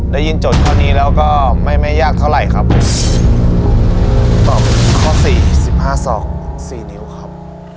โจทย์ข้อนี้แล้วก็ไม่ไม่ยากเท่าไหร่ครับตอบข้อสี่สิบห้าศอกสี่นิ้วครับ